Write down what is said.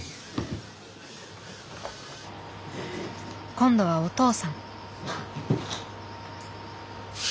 今度はお父さん。